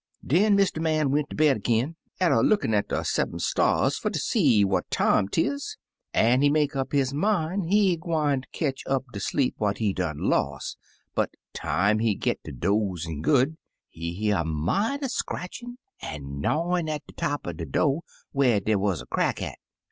'*Den Mr. Man went ter bed ag'in, atter lookin' at de sev'm stars fer ter see what time 'tis, an* he make up his min' he gwine ter ketch up de sleep what he done los', but time he git ter dozin' good, he hear a mighty scratchin* an* gnyawin' at de top cr de do* whar dey wuz a crack at.